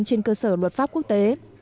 trên cơ sở luật pháp quốc tế